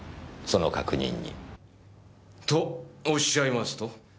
その確認に。とおっしゃいますと？